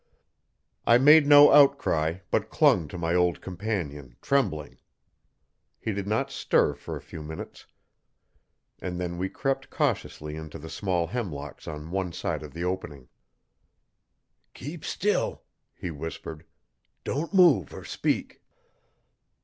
I made no outcry, but clung to my old companion, trembling. He did not stir for a few minutes, and then we crept cautiously into the small hemlocks on one side of the opening. 'Keep still,' he whispered, 'don't move er speak.'